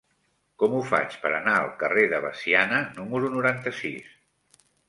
Com ho faig per anar al carrer de Veciana número noranta-sis?